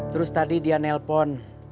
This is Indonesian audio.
terus tadi dia nelpon